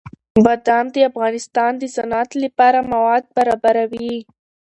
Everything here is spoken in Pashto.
بادام د افغانستان د صنعت لپاره مواد برابروي.